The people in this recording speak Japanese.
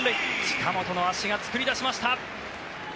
近本の足が作り出しました。